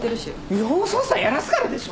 違法捜査やらすからでしょ。